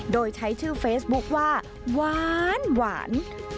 โดยใช้ชื่อเฟซบุ๊คว่าหวาน